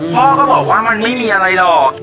พ่อก็บอกว่ามันไม่มีอะไรหรอก